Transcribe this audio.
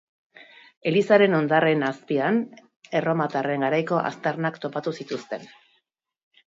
Elizaren hondarren azpian, erromatarren garaiko aztarnak topatu zituzten.